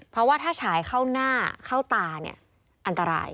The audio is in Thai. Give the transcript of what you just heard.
เพราะว่าถ้าฉายเข้าหน้าเข้าตาเนี่ยอันตราย